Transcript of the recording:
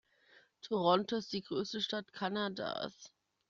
Toronto ist die größte Stadt Kanadas.